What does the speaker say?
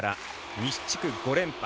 西地区５連覇